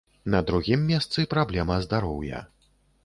На другім месцы праблема здароўя.